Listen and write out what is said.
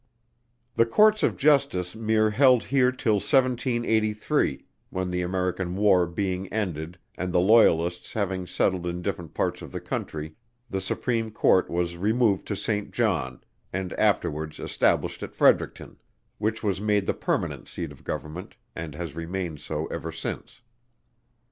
The Courts of Justice mere held here till 1783, when the American war being ended and the Loyalists having settled in different parts of the country, the Supreme Court was removed to Saint John, and afterwards established at Fredericton, which was made the permanent seat of Government, and has remained so ever since.